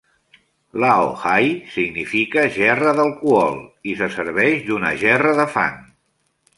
"Lao hai" significa "gerra d'alcohol" i se serveix d'una gerra de fang.